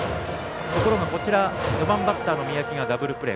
ところが、４番バッターの三宅がダブルプレー。